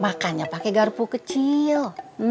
makannya pakai garpu kecil